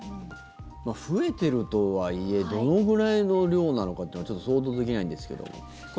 増えてるとはいえどのぐらいの量なのかちょっと想像できないんですけども。